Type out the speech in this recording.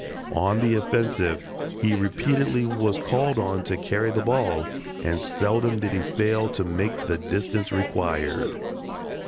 On the offensive he repeatedly was called on to carry the ball and seldom did he fail to make the distance required.